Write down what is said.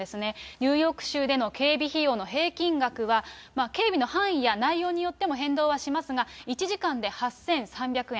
ニューヨーク州での警備費用の平均額は、警備の範囲や内容によっても変動しますが、１時間で８３００円。